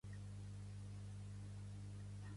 Síndrome de Diògenes